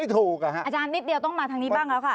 ถูกอาจารย์นิดเดียวต้องมาทางนี้บ้างแล้วค่ะ